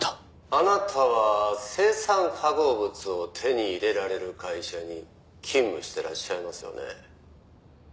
「あなたは青酸化合物を手に入れられる会社に勤務してらっしゃいますよね」